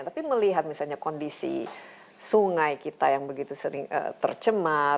tapi melihat misalnya kondisi sungai kita yang begitu sering tercemar